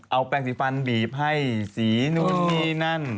เอาแปลงสีฟันบีบให้สีนู่นนี่นั่น